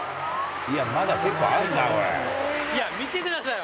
いや、見てくださいよ。